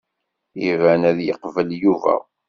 Iban ad yeqbel Yuba.